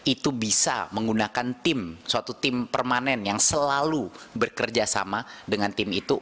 itu bisa menggunakan tim suatu tim permanen yang selalu bekerja sama dengan tim itu